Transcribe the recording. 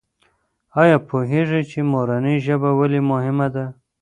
آیا پوهېږې چې مورنۍ ژبه ولې مهمه ده؟